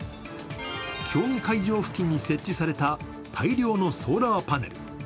競技会場付近に設置された、大量のソーラーパネル。